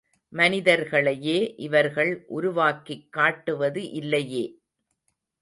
மனிதர்களையே இவர்கள் உருவாக்கிக் காட்டுவது இல்லையே.